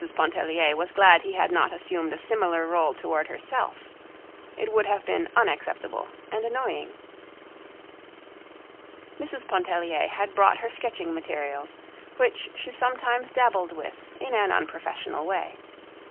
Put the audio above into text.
Pontellier was glad he had not assumed a similar role toward herself. It would have been unacceptable and annoying. Mrs. Pontellier had brought her sketching materials, which she sometimes dabbled with in an unprofessional way.